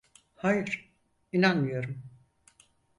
Hayır, inanmıyorum.